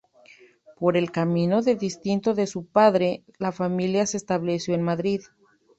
Por el cambio de destino de su padre, la familia se estableció en Madrid.